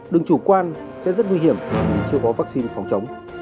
đừng chủ quan sẽ rất nguy hiểm khi chưa có vaccine phòng chống